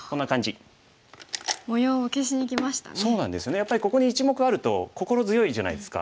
やっぱりここに１目あると心強いじゃないですか。